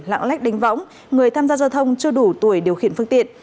lãng lách đính võng người tham gia giao thông chưa đủ tuổi điều khiển phương tiện